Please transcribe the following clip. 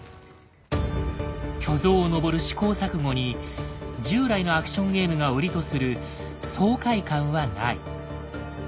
巨像を登る試行錯誤に従来のアクションゲームが売りとする爽快感はない。